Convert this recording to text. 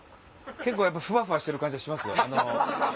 結構ふわふわしてる感じはしますね。